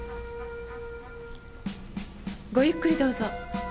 ごゆっくりどうぞ。